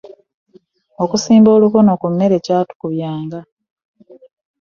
Okusimba olukono ku mmere kyatukubyanga.